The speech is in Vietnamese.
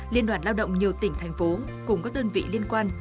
liên đoàn lao động nhiều tỉnh thành phố cùng các đơn vị liên quan